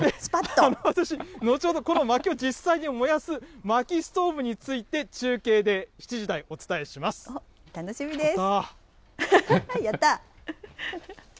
私、後ほど、このまきを実際に燃やすまきストーブについて、中継で７時台、お楽しみです。